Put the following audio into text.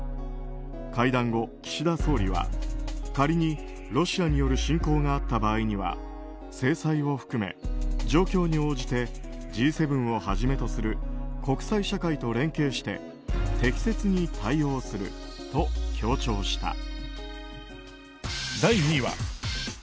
会談後、岸田総理は仮にロシアによる侵攻があった場合には制裁を含め状況に応じてＧ７をはじめとする国際社会と連携して適切に対応すると強調した。